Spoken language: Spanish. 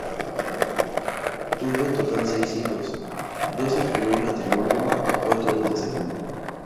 Tuvo en total seis hijos, dos del primer matrimonio y cuatro del segundo.